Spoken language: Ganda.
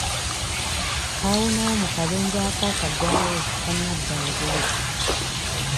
Kaawonawo mu kabenje akaakagwawo tanadda ngulu.